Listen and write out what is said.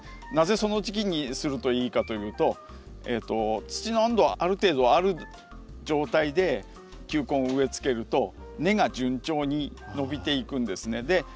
なぜその時期にするといいかというと土の温度ある程度ある状態で球根を植えつけると根が順調に伸びていくんですね。